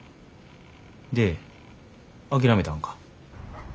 で諦めたんか。